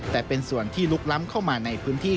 แต่เป็นส่วนที่ลุกล้ำเข้ามาในพื้นที่